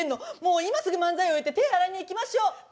今すぐ漫才終えて手を洗いに行きましょう！